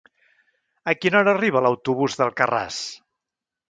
A quina hora arriba l'autobús d'Alcarràs?